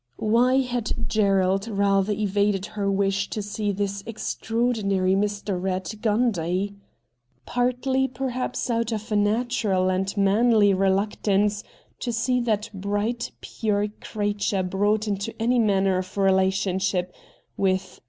Why had Gerald rather evaded her wish to see this extraordinary Mr. Eatt Gundy? Partly perhaps out of a natural and manly reluctance to see that bright pure creature brought into any manner of relationship with VOL.